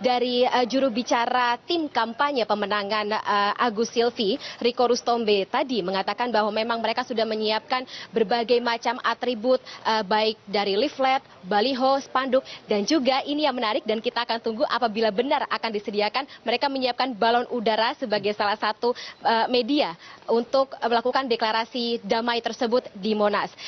di mana tim kampanye pemenangan agus silvi riko rustombe tadi mengatakan bahwa memang mereka sudah menyiapkan berbagai macam atribut baik dari leaflet baliho spanduk dan juga ini yang menarik dan kita akan tunggu apabila benar akan disediakan mereka menyiapkan balon udara sebagai salah satu media untuk melakukan deklarasi damai tersebut di monas